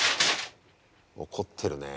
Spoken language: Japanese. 怒ってるねえ。